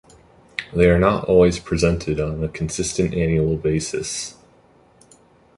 They are not always presented on a consistent annual basis.